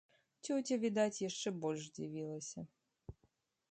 Цёця, відаць, яшчэ больш дзівілася.